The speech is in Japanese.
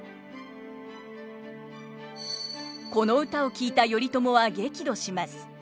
この歌を聞いた頼朝は激怒します。